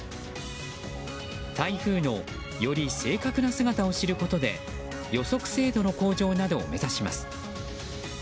台風のより正確な姿を知ることで予測精度の向上などを目指します。